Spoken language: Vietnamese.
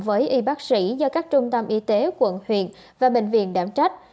với y bác sĩ do các trung tâm y tế quận huyện và bệnh viện đảm trách